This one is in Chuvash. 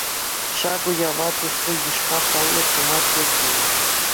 Ҫак уява туслӑ йышпа паллӑ тума тӗв тунӑ.